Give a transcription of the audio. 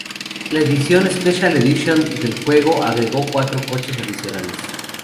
La edición "Special Edition" del juego agregó cuatro coches adicionales.